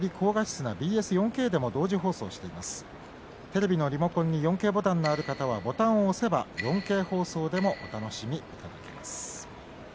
テレビのリモコンに４Ｋボタンがある方はボタンを押せば４Ｋ放送でもお楽しみいただけます。